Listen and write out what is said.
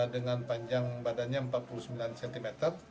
dengan panjang badannya empat puluh sembilan cm